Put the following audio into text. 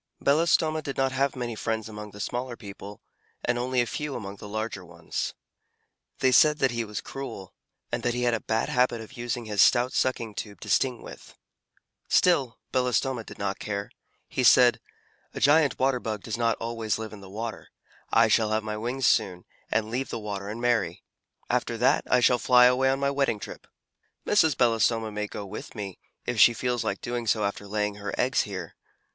Belostoma did not have many friends among the smaller people, and only a few among the larger ones. They said that he was cruel, and that he had a bad habit of using his stout sucking tube to sting with. Still, Belostoma did not care; he said, "A Giant Water Bug does not always live in the water. I shall have my wings soon, and leave the water and marry. After that, I shall fly away on my wedding trip. Mrs. Belostoma may go with me, if she feels like doing so after laying her eggs here.